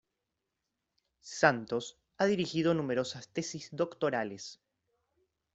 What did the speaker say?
Santos ha dirigido numerosas tesis doctorales.